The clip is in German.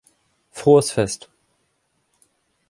Frohes Fest.